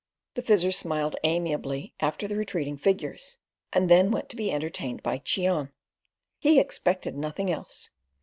The Fizzer smiled amiably after the retreating figures, and then went to be entertained by Cheon. He expected nothing else.